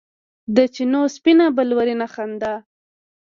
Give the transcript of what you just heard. د چېنو سپینه بلورینه خندا